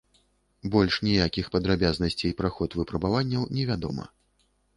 Больш ніякіх падрабязнасцей пра ход выпрабаванняў невядома.